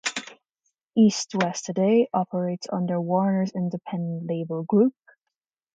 East West today operates under Warner's Independent Label Group.